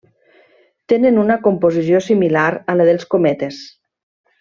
Tenen una composició similar a la dels cometes.